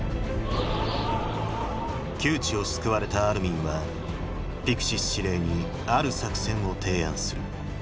窮地を救われたアルミンはピクシス司令にある作戦を提案する。